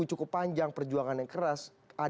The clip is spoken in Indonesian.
cukup panjang perjuangan yang keras